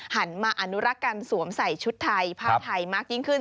หันมาอนุรักษ์การสวมใส่ชุดไทยผ้าไทยมากยิ่งขึ้น